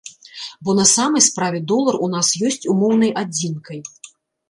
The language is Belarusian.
Бо на самай справе долар у нас ёсць умоўнай адзінкай.